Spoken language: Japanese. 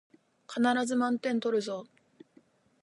必ず満点取るぞ